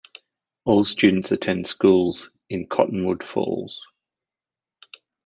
All students attend schools in Cottonwood Falls.